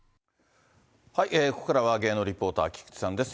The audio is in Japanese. ここからは芸能リポーター、菊池さんです。